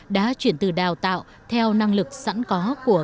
đã chuyển từ đào tạo theo năng lực sẵn có của các cơ sở